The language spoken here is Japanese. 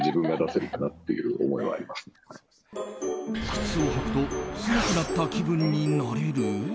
靴を履くと強くなった気分になれる？